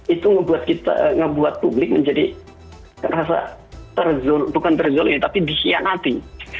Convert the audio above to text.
itu membuat publik menjadi terasa terzul bukan terzul ini tapi dikhianati